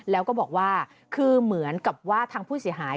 แล้วก็บอกว่าคือเหมือนกับว่าทางผู้เสียหาย